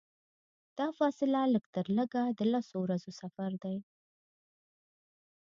دا فاصله لږترلږه د لسو ورځو سفر دی.